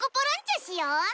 しよ！